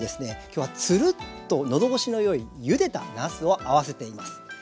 今日はツルッとのどごしのよいゆでたなすを合わせています。